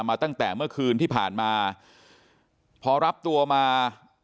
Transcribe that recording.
มาตั้งแต่เมื่อคืนที่ผ่านมา